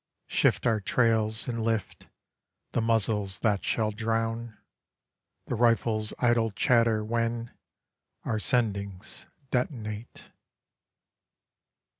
... Shift our trails and lift the muzzles that shall drown The rifle's idle chatter when our sendings detonate.